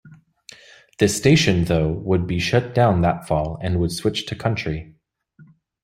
This station though would be shut down that Fall and would switch to Country.